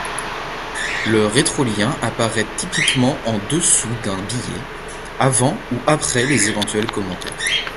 Le rétrolien apparaît typiquement en dessous d'un billet, avant ou après les éventuels commentaires.